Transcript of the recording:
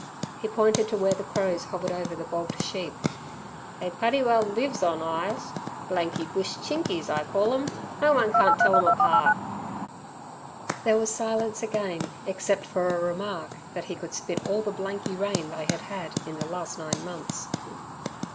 He pointed to where the crows hovered over the bogged sheep. "They putty well lives on eyes! 'Blanky bush Chinkies!' I call 'em. No one carn't tell 'em apart!" There was silence again, except for a remark that he could spit all the blanky rain they had had in the last nine months.